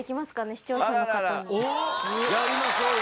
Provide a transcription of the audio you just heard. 視聴者の方にやりましょうよ